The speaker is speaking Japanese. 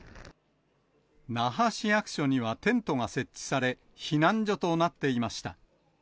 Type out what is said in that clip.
那覇市役所にはテントが設置され、避難所となっていました。